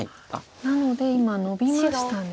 なので今ノビましたね。